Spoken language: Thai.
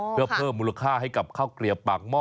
เพื่อเพิ่มมูลค่าให้กับข้าวเกลียบปากหม้อ